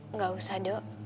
enggak usah dok